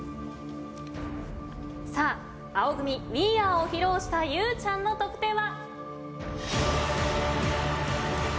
さあ青組『ウィーアー！』を披露したゆうちゃんの得点は。